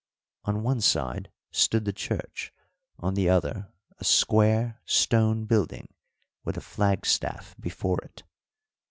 On one side stood the church, on the other a square stone building with a flagstaff before it.